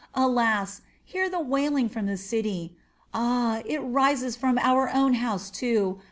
Alas, hear the wailing from the city. Ah, it rises from our own house too.